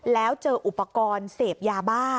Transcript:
แล้วเจออุปกรณ์เสพยาบ้า